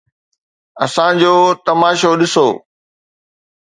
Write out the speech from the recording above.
اسان جو تماشو ڏسو.